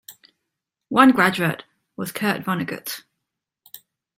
One graduate was Kurt Vonnegut.